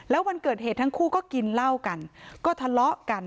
แล้ววันเกิดเหตุทั้งคู่ก็กินเหล้ากันก็ทะเลาะกัน